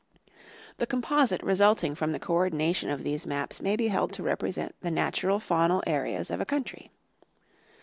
The composite resulting from the coordination of these maps may be held to represent the natural faunal areas of a country.